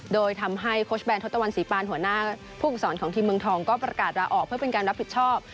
โดยทำให้โค้ชแนนทศตวรรษีปานหัวหน้าผู้ฝึกสอนของทีมเมืองทองก็ประกาศลาออกเพื่อเป็นการรับผิดชอบ